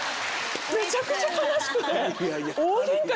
めちゃくちゃ悲しくて。